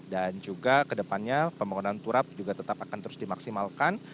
dan juga kedepannya pembangunan turap juga tetap akan terus dimaksimalkan